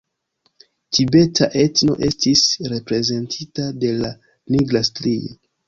Tibeta etno estis reprezentita de la nigra strio.